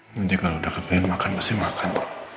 nanti kalau udah kepengen makan mesti makan